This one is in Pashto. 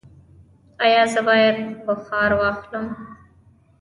ایا زه باید بخار واخلم؟